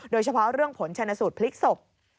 โดยเฉพาะเรื่องผลชนสูตรพลิกศพ